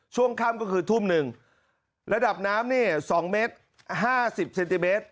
ช่วงค่ำก็คือทุ่ม๑ระดับน้ำ๒เมตร๕๐เซนติเมตร